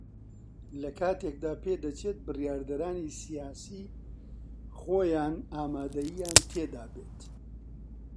لە کاتێکدا پێدەچێت بڕیاردەرانی سیاسی خۆیان ئامادەیییان تێدا بێت